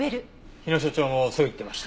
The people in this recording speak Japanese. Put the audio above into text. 日野所長もそう言ってました。